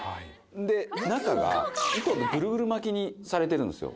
で、中が糸でぐるぐる巻きにされてるんですよ。